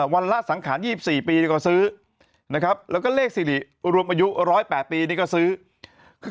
ละสังขาร๒๔ปีก็ซื้อนะครับแล้วก็เลขสิริรวมอายุ๑๐๘ปีนี่ก็ซื้อ